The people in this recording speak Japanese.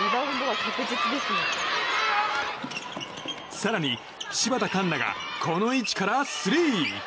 更に、柴田柑菜がこの位置からスリー！